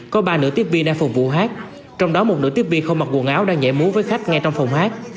có ba nữ tiếp viên đang phục vụ hát trong đó một nữ tiếp viên không mặc quần áo đang nhảy múa với khách ngay trong phòng hát